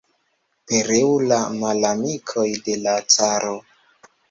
Pereu la malamikoj de l' caro!